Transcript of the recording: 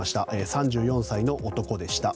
３４歳の男でした。